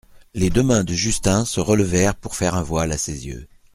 Les deux mains de Justin se relevèrent pour faire un voile à ses yeux.